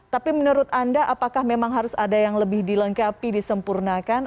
tapi menurut anda apakah memang harus ada yang lebih dilengkapi disempurnakan